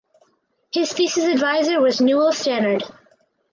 His thesis advisor was Newell Stannard.